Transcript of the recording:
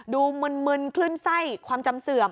ดูมึนขึ้นไส้ความจำเสื่อม